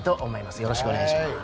よろしくお願いします。